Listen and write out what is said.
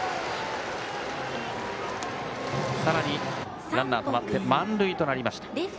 さらにランナーがたまって満塁となりました。